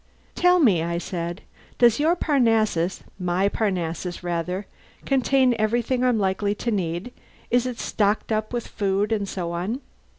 "Tell me," I said, "does your Parnassus my Parnassus, rather contain everything I'm likely to need? Is it stocked up with food and so on?"